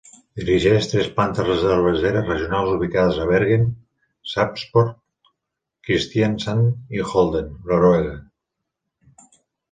Dirigeix tres plantes cerveseres regionals ubicades a Bergen, Sarpsborg, Kristiansand i Olden, Noruega.